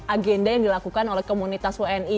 agenda yang dilakukan oleh komunitas wni